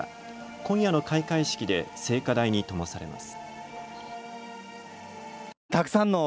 今夜の開会式で聖火台にともされます。